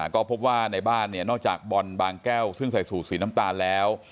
ก็พบว่าในบ้านเนี่ยนอกจากบอลบางแก้วซึ่งใส่สูตรสีน้ำตาลแล้ว